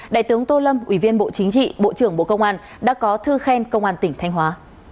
đại tướng tô lâm ủy viên bộ chính trị bộ trưởng bộ công an đã có thư khen công an tỉnh thanh hóa